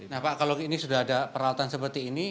nah pak kalau ini sudah ada peralatan seperti ini